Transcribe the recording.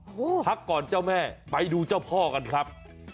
โอ้โหพักก่อนเจ้าแม่ไปดูเจ้าพ่อกันครับ